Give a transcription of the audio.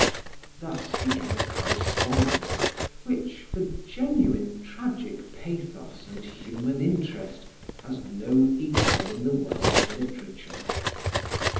Thus began a correspondence which, for genuine tragic pathos and human interest, has no equal in the world's literature.